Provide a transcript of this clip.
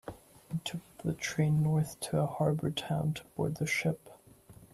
We took the train north to a harbor town to board the ship.